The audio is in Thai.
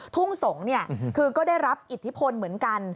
ทุ่งสงศ์คือก็ได้รับอิทธิพลเหมือนกัน